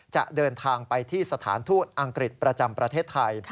จะเดินทางไปที่สถานทูตอังกฤษประจำประเทศไทย